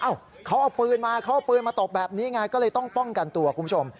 เขาเอาปืนมาเขาเอาปืนมาตบแบบนี้ไงก็เลยต้องป้องกันตัวคุณผู้ชม